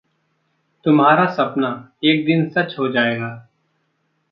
तुम्हारा सपना एक दिन सच हो जाएगा।